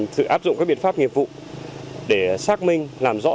sự áp dụng các biện pháp nghiệp vụ để xác minh làm rõ